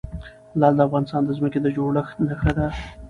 لعل د افغانستان د ځمکې د جوړښت نښه ده.